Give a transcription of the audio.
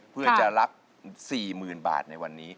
เพื่อจะรับ๔๐๐๐บาทในวันนี้